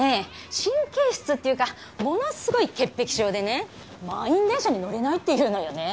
神経質っていうかものすごい潔癖症でね満員電車に乗れないって言うのよね。